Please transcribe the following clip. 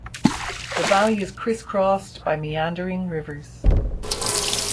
The valley is criss-crossed by meandering rivers.